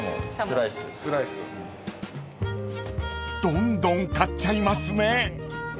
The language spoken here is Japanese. ［どんどん買っちゃいますね］